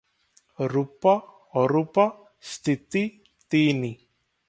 ରୂପ ଅରୂପ ସ୍ଥିତି ତିନି ।